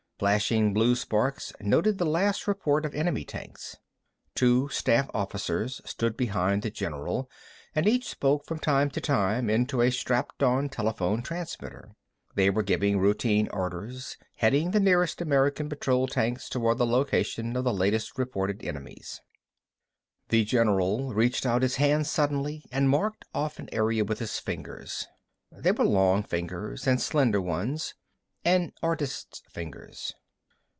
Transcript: Flashing blue sparks noted the last report of enemy tanks. Two staff officers stood behind the general, and each spoke from time to time into a strapped on telephone transmitter. They were giving routine orders, heading the nearest American patrol tanks toward the location of the latest reported enemies. The general reached out his hand suddenly and marked off an area with his fingers. They were long fingers, and slender ones: an artist's fingers.